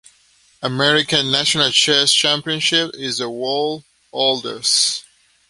America's national chess championship is the world's oldest.